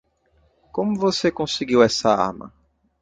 Como você conseguiu essa arma?